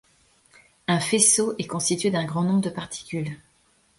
Un faisceau est constitué d'un grand nombre de particules.